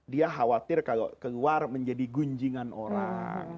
dia khawatir kalau keluar menjadi gunjingan orang